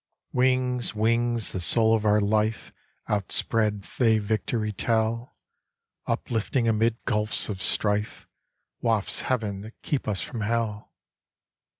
(Wings, wings, the soul of our life! Outspread they victory tell, Upliftings amid gulfs of strife, Wafts of heaven that keep us from hell!)